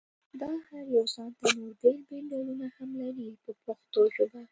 دا هر یو ځانته نور بېل بېل ډولونه هم لري په پښتو ژبه.